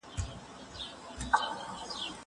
زه به سبا ځواب ليکم!